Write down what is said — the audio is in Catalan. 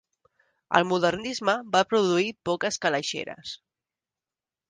El modernisme va produir poques calaixeres.